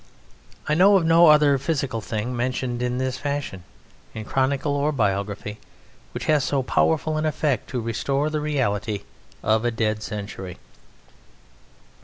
I know of no other physical thing mentioned in this fashion, in chronicle or biography, which has so powerful an effect to restore the reality of a dead century.